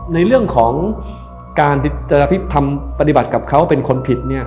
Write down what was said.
ในเรื่องของการทำปฏิบัติกับเขาเป็นคนผิดเนี่ย